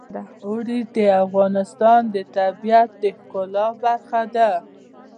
اوړي د افغانستان د طبیعت د ښکلا برخه ده.